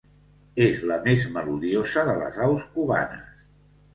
És la més melodiosa de les aus cubanes.